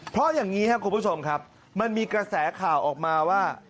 เพราะอย่างนี้ครับคุณผู้ชมครับมันมีกระแสข่าวออกมาว่า